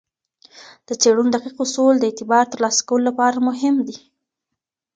د څیړنو دقیق اصول د اعتبار ترلاسه کولو لپاره مهم دي.